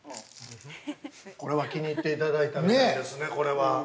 ◆これは気に入っていただいたみたいですね、これは。